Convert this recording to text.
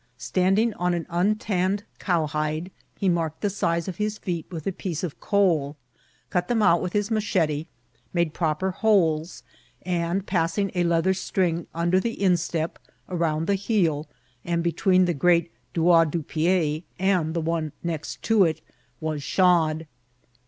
Standing on an untanned cowhide, he marked the size of his feet with a piece^of coal, cut them out with his XXTXMPORX 8S0BMAKINO. 5t machete, made proper holes, and, passing a leather string under the instep, around the heel, and between the great doigi du pied and the one next to it, was shod.